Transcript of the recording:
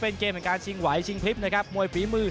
น่ารักไหม